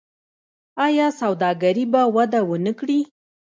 آیا سوداګري به وده ونه کړي؟